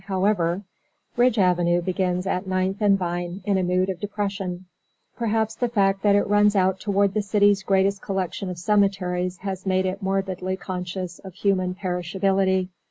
However Ridge Avenue begins at Ninth and Vine, in a mood of depression. Perhaps the fact that it runs out toward the city's greatest collection of cemeteries has made it morbidly conscious of human perishability.